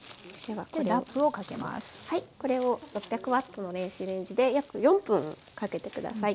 はいこれを６００Ｗの電子レンジで約４分かけて下さい。